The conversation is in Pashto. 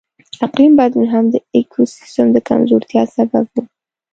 اقلیم بدلون هم د ایکوسیستم د کمزورتیا سبب و.